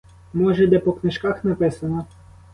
Може, де по книжках написано?